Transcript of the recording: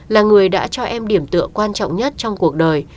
là người đã cho em điểm tựa quan trọng nhất trong cuộc đời